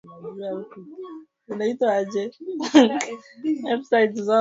Mbili za Kenya (dola mia saba kumi na moja, milioni) zilitolewa kwa makampuni hayo Jumatatu kulipa sehemu ya deni hilo.